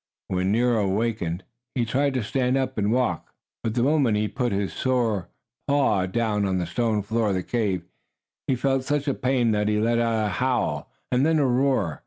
When Nero awakened he tried to stand up and walk. But the moment he put his sore paw down on the stone floor of the cave, he felt such a pain that he let out a howl and then a roar.